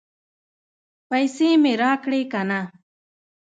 پیسې مې راکړې که نه؟